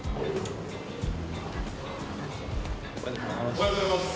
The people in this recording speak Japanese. おはようございます。